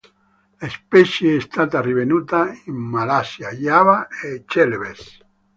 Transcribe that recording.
La specie è stata rinvenuta in Malaysia, Giava e Celebes.